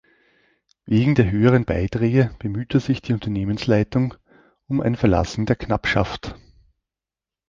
Wegen der höheren Beiträge bemühte sich die Unternehmensleitung um ein Verlassen der Knappschaft.